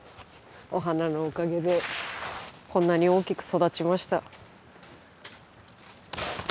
お花のおかげでこんなに大きく育ちました。